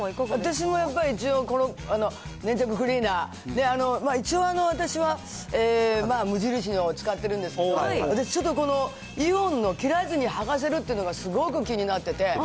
私もやっぱり、一応粘着クリーナー、一応、私は無印のを使ってるんですけど、私、ちょっとこのイオンの切らずに剥がせるっていうのがすごく気になってて。